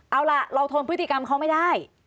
เอาล่ะเราทนพฤติกรรมเขาไม่ได้